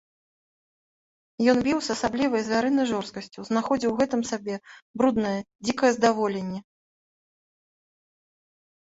Ён біў з асаблівай звярынай жорсткасцю, знаходзіў у гэтым сабе бруднае, дзікае здаволенне.